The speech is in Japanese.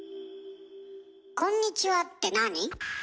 こんにちはってなに？